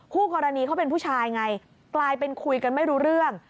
คู่กรณีเขาเป็นผู้ชายไงกลายเป็นคุยกันไม่รู้เรื่อง